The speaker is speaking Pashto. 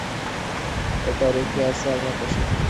تاریخي آثار نقش یې تاییداوه.